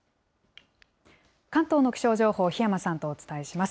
関東の気象情報、檜山さんとお伝えします。